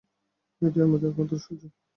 এটাই আমাদের একমাত্র সুযোগ!